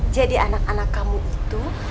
jadi anak anak kamu itu